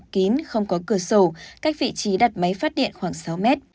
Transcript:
kín không có cửa sổ cách vị trí đặt máy phát điện khoảng sáu mét